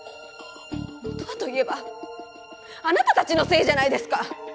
もとはと言えばあなたたちのせいじゃないですか。